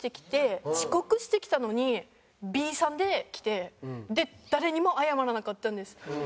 遅刻してきたのにビーサンで来て誰にも謝らなかったんです。